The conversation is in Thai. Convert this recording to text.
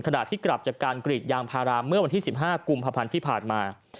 ขณะที่กลับจากการกรีดยางพาราเมื่อวันที่๑๕กุมภาพันธ์ที่ผ่านมา